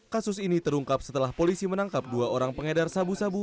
kasus ini terungkap setelah polisi menangkap dua orang pengedar sabu sabu